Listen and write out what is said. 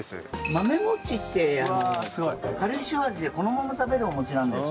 豆餅って軽い塩味でこのまま食べるお餅なんです。